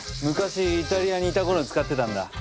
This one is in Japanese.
昔イタリアにいた頃に使ってたんだ。